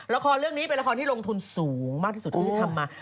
ละครเรื่องนี้เป็นละครที่ลงทุนสูงมากที่สุดที่ทำมา